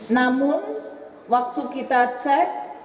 namun waktu kita cek